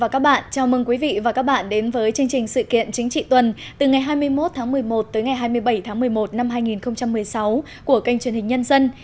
chào mừng quý vị và các bạn đến với chương trình sự kiện chính trị tuần từ ngày hai mươi một tháng một mươi một tới ngày hai mươi bảy tháng một mươi một năm hai nghìn một mươi sáu của kênh truyền hình nhân dân